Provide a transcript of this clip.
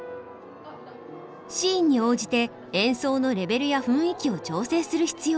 シーンに応じて演奏のレベルや雰囲気を調整する必要があります。